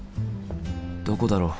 どこだろう？